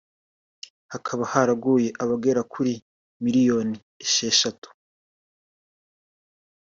hakaba haraguye abagera kuri miliyoni esheshatu